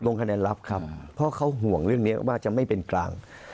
คะแนนลับครับเพราะเขาห่วงเรื่องนี้ว่าจะไม่เป็นกลาง